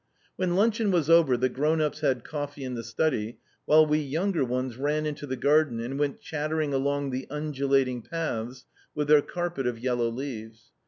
When luncheon was over, the grown ups had coffee in the study, while we younger ones ran into the garden and went chattering along the undulating paths with their carpet of yellow leaves.